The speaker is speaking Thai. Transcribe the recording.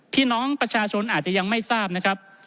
พี่น้องประชาชนอาจจะยังไม่ทราบนะครับ